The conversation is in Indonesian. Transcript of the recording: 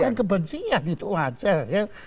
bukan kebencian itu wajar